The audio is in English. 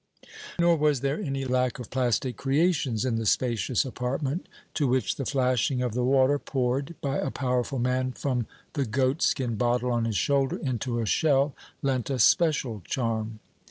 Nor was there any lack of plastic creations in the spacious apartment, to which the flashing of the water poured by a powerful man from the goatskin bottle on his shoulder into a shell lent a special charm.